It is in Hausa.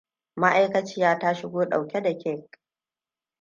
Ma'aikaciya ta shigo ɗauke da kek.